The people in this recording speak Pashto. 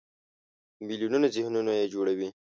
د میلیونونو ذهنونه یې جوړوي.